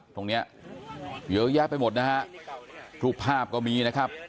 ตรงนี้เยอะแยะไปหมดนะฮะรูปภาพก็มีนะครับ